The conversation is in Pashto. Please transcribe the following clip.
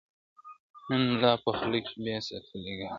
نن ملا په خوله کي بيا ساتلی گاز دی